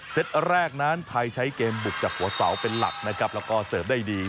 แรกนั้นไทยใช้เกมบุกจากหัวเสาเป็นหลักนะครับแล้วก็เสิร์ฟได้ดี